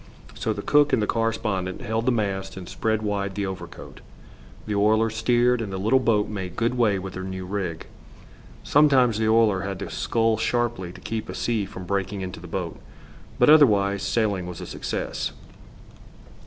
So the cook and the correspondent held the mast and spread wide the overcoat. The oiler steered, and the little boat made good way with her new rig. Sometimes the oiler had to scull sharply to keep a sea from breaking into the boat, but otherwise sailing was a success.